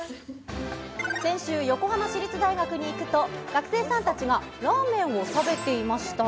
先週、横浜市立大学に行くと、学生さんたちがラーメンを食べていました。